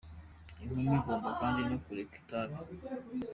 Inkumi : Ugomba kandi no kureka itabi.